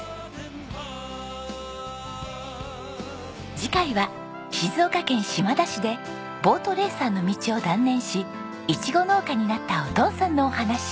次回は静岡県島田市でボートレーサーの道を断念しイチゴ農家になったお父さんのお話。